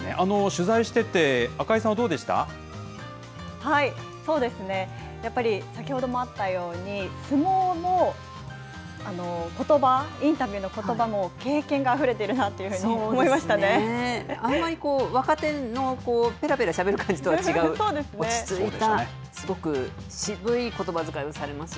取材してて、赤井さんはどうでしやっぱり先ほどもあったように、相撲もことば、インタビューもことばも経験があふれてるなとあんまり若手のぺらぺらしゃべる感じとは違う、落ち着いたすごく渋いことばづかいをされます